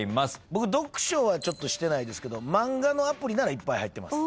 僕読書はしてないですけど漫画のアプリならいっぱい入ってます。